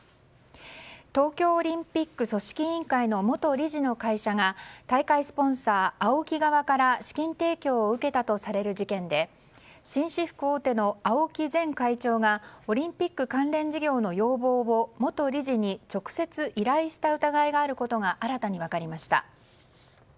東京オリンピック組織委員会の元理事の会社が大会スポンサーＡＯＫＩ側から資金提供を受けたとされる事件で紳士服大手のＡＯＫＩ前会長がオリンピック関連事業の要望を元理事に直接依頼した疑いがあることが新たに分かりました。